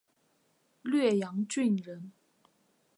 略阳郡人。